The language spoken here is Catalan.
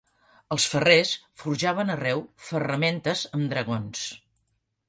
Els ferrers forjaven arreu ferramentes am dragons